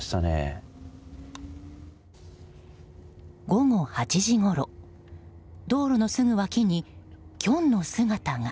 午後８時ごろ道路のすぐ脇にキョンの姿が。